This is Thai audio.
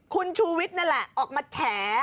คุณชูวิทย์นั่นแหละออกมาแฉ